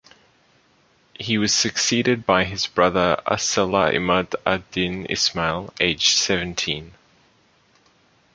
He was succeeded by his brother As-Sâlih `Imâd ad-Dîn Ismâ`îl aged seventeen.